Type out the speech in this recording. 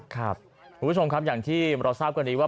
คุณผู้ชมครับอย่างที่เราทราบกันดีว่า